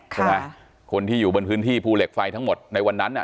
ใช่ไหมคนที่อยู่บนพื้นที่ภูเหล็กไฟทั้งหมดในวันนั้นอ่ะ